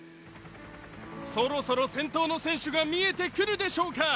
そろそろ先頭の選手が見えてくるでしょうか？